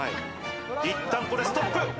いったんここでストップ。